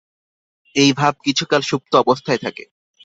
এই ভাব কিছুকাল সুপ্ত অবস্থায় থাকে।